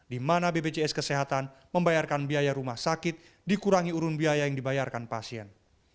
di mana bpjs kesehatan membayarkan biaya rumah sakit dikurangi urun biaya yang dibayarkan pasien